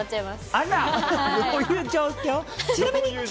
あら、どういう状況？